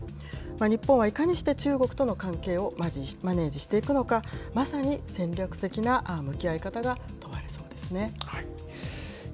日本はいかにして中国との関係をマネージしていくのか、まさに戦略的な向き合い方が問われそうですね。